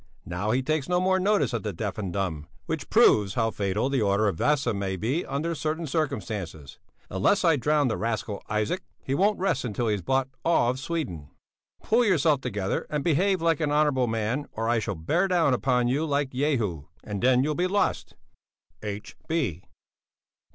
Now he takes no more notice of the deaf and dumb, which proves how fatal the order of Vasa may be under certain circumstances. Unless I drown the rascal Isaac, he won't rest until he has bought all Sweden. Pull yourself together and behave like an honourable man, or I shall bear down upon you like Jehu, and then you'll be lost. H.